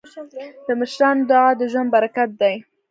د مشرانو دعا د ژوند برکت دی.